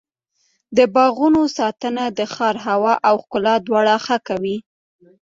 د باغونو ساتنه د ښار هوا او ښکلا دواړه ښه کوي.